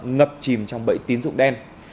ngập chìm trong bẫy tín dụng đen